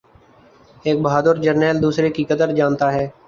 ایک بہادر جرنیل دوسرے کی قدر جانتا ہے